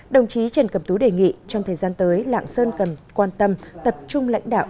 đồng chí trần cẩm tú đề nghị trong thời gian tới lạng sơn cần quan tâm tập trung lãnh đạo